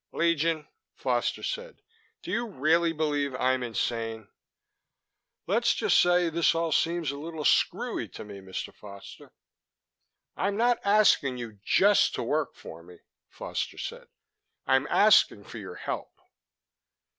'" "Legion," Foster said, "do you really believe I'm insane?" "Let's just say this all seems a little screwy to me, Mr. Foster." "I'm not asking you just to work for me," Foster said. "I'm asking for your help."